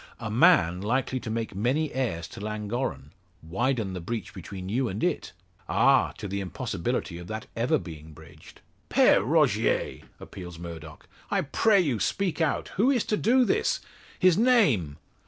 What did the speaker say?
"A man likely to make many heirs to Llangorren widen the breach between you and it ah! to the impossibility of that ever being bridged." "Pere Rogier!" appeals Murdock, "I pray you speak out! Who is to do this? His name?"